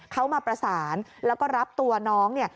เขามาประสานแล้วก็รับตัวน้องเนี่ย